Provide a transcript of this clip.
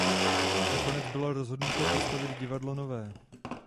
Nakonec bylo rozhodnuto postavit divadlo nové.